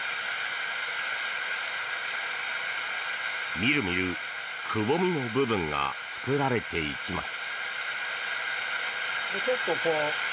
みるみる、くぼみの部分が作られていきます。